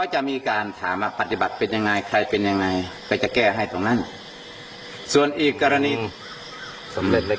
อ๋อน่ะคุณติคุณตินี่ต้องสแตนบาร์อยู่อีสานนี่จริงเนอะ